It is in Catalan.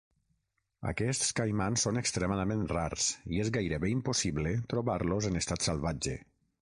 Aquests caimans són extremadament rars i és gairebé impossible trobar-los en estat salvatge.